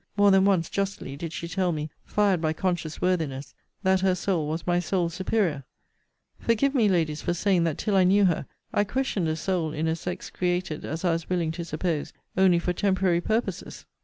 More than once justly did she tell me, fired by conscious worthiness, that her soul was my soul's superior! Forgive me, Ladies, for saying, that till I knew her, I questioned a soul in a sex, created, as I was willing to suppose, only for temporary purposes.